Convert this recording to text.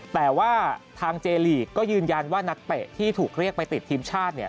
แต่ว่าทางเจลีกก็ยืนยันว่านักเตะที่ถูกเรียกไปติดทีมชาติเนี่ย